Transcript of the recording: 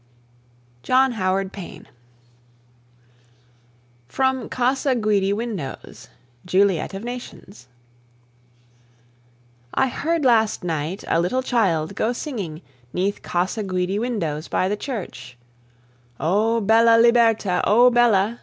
JOHN HOWARD PAYNE. FROM CASA GUIDI WINDOWS. JULIET OF NATIONS. I heard last night a little child go singing 'Neath Casa Guidi windows, by the church, _O bella libertà, O bella!